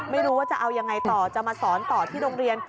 ไม่รู้ว่าจะเอายังไงต่อจะมาสอนต่อที่โรงเรียน